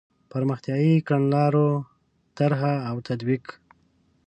پرمختیایي کړنلارو طرح او تطبیق.